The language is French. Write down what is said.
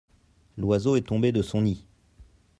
l'oiseau est tombé de son nid.